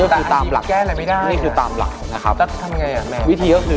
ว้าว